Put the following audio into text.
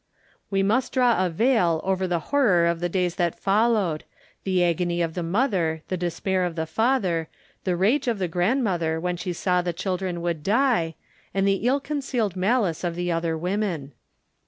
We must draw a veil over the horror of the days that followed the agony of the mother, the despair of the father, the rage of the grandmother when she saw the children would die, and the ill concealed malice of the other women.